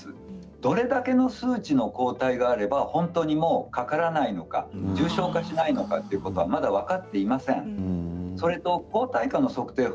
どれだけの数値の抗体があれば本当にかからないのか、重症化しないのか、まだ分かっていません。